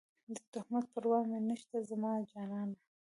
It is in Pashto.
د تهمت پروا مې نشته زما جانانه